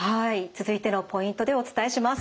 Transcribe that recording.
続いてのポイントでお伝えします。